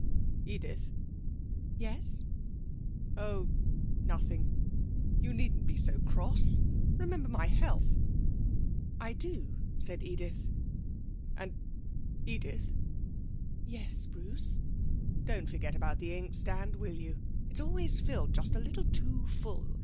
'Edith.' 'Yes.' 'Oh! nothing. You needn't be so cross. Remember my health.' 'I do,' said Edith. 'And Edith.' 'Yes, Bruce?' 'Don't forget about that inkstand, will you? It's always filled just a little too full.